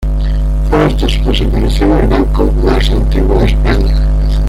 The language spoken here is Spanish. Fue, hasta su desaparición, el banco más antiguo de España.